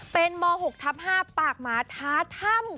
เป็นม๖ทับ๕ปากหมาท้าถ้ำ